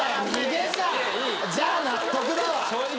じゃあ納得だわ。